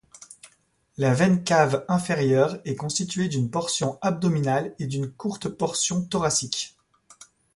La veine cave inférieure est constituée d'une portion abdominale et d'une courte portion thoracique.